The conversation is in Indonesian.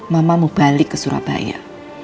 mama mau balik ke surabaya